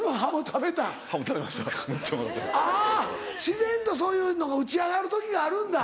自然とそういうのが打ち上がる時があるんだ。